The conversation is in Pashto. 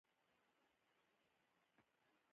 د اوو وروڼو په منځ کې شیرینو بېده وه.